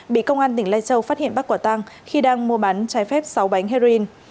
bị công an tỉnh lai châu phát hiện bắt quả tăng khi đang mua bán trái phép sáu bánh heroin